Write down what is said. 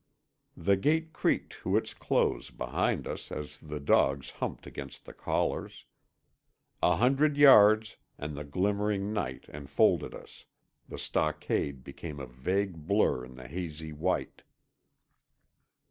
The gate creaked to its close behind us as the dogs humped against the collars. A hundred yards, and the glimmering night enfolded us; the stockade became a vague blur in the hazy white.